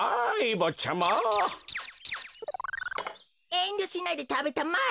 えんりょしないでたべたまえ。